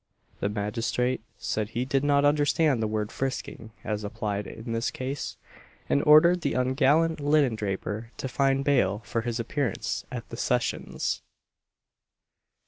The magistrate said he did not understand the word frisking as applied in this case, and ordered the ungallant linendraper to find bail for his appearance at the sessions.